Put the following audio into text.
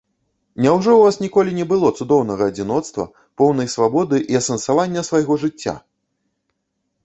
Няўжо ў вас ніколі не было цудоўнага адзіноцтва, поўнай свабоды і асэнсавання свайго жыцця?